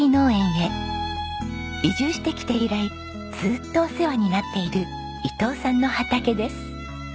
移住してきて以来ずっとお世話になっている伊藤さんの畑です。